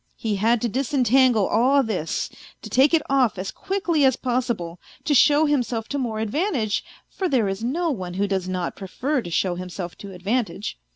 He had to disentangle all this, to take it off as quickly as possible, to show himself to more advantage, for there is no one who does not prefer to show himself to advantage.